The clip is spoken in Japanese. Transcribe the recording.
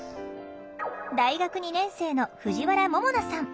大学２年生の藤原ももなさん。